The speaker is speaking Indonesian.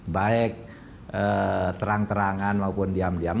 baik terang terangan maupun diam diam